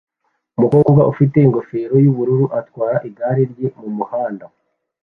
Umukobwa ufite ingofero yubururu atwara igare rye mumuhanda